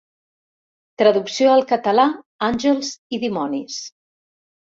Traducció al català Àngels i dimonis.